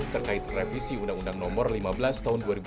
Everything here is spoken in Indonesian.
terkait revisi undang undang nomor lima belas tahun dua ribu tujuh belas